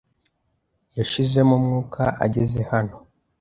Yashizemo umwuka ageze hano.